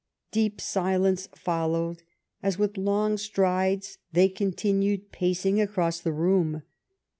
Deep silence followed, as, with long strides, they continued pacing across the room.